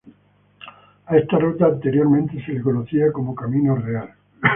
A esta ruta anteriormente se le conocía como "Camino Real".